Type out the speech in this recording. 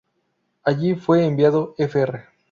Allí fue enviado Fr.